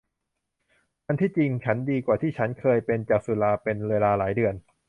อันที่จริงฉันดีกว่าที่ฉันเคยเป็นจากสุราเป็นเวลาหลายเดือน